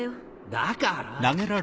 だから！